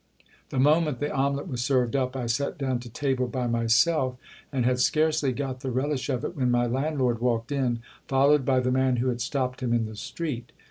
The moment the omelet was served up I sat down to table by myself, and had scarcely got the relish of it, when my landlord walked in, followed by the man who had stopped him in the street.